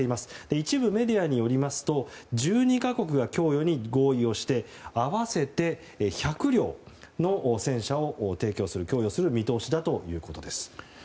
一部メディアによりますと１２か国が供与に合意をして合わせて１００両の戦車を供与する見通しだということです。